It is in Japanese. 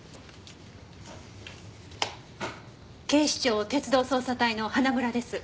警視庁鉄道捜査隊の花村です。